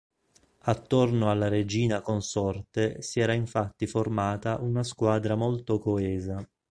Attorno alla regina consorte si era infatti formata una squadra molto coesa.